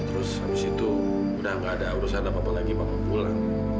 terus habis itu udah gak ada urusan apa apa lagi bapak pulang